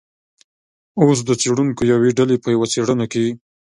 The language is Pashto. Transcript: اوس د څیړونکو یوې ډلې په یوه څیړنه کې